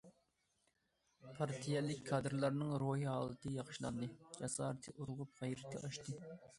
پارتىيەلىك كادىرلارنىڭ روھىي ھالىتى ياخشىلاندى، جاسارىتى ئۇرغۇپ، غەيرىتى ئاشتى.